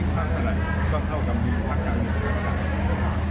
ก็เท่ากับคำนี้ภาคต่างใช้บรรยาย